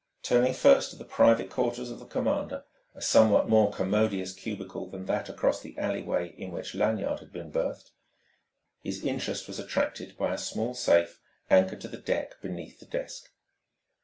Turning first to the private quarters of the commander, a somewhat more commodious cubicle than that across the alleyway in which Lanyard had been berthed, his interest was attracted by a small safe anchored to the deck beneath the desk.